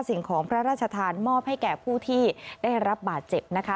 สิ่งของพระราชทานมอบให้แก่ผู้ที่ได้รับบาดเจ็บนะคะ